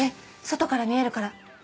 外から見えるから。